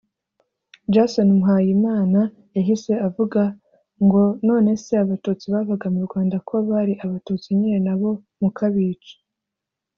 Jason Muhayimana yahise avuga ngo none se abatutsi bavaga mu Rwanda ko bari abatutsi nyine na bo mukabica